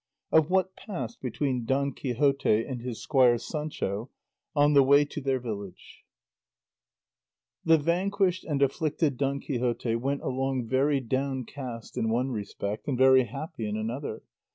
OF WHAT PASSED BETWEEN DON QUIXOTE AND HIS SQUIRE SANCHO ON THE WAY TO THEIR VILLAGE The vanquished and afflicted Don Quixote went along very downcast in one respect and very happy in another.